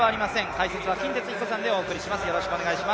解説は金哲彦さんでお送りします。